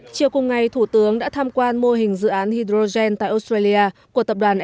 chiều cùng ngày thủ tướng đã tham quan mô hình dự án hydrogen tại australia của tập đoàn e